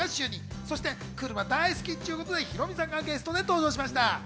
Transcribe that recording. そして、車好きのヒロミさんがゲストで登場しました。